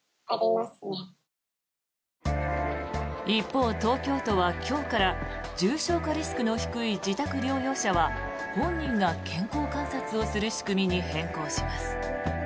一方、東京都は今日から重症化リスクの低い自宅療養者は本人が健康観察をする仕組みに変更します。